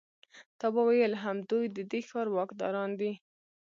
تا به ویل همدوی د دې ښار واکداران دي.